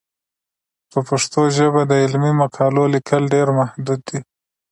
په پښتو ژبه د علمي مقالو لیکل ډېر محدود دي.